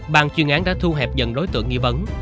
bàn chuyên án đã thu hẹp dần đối tượng nghi vấn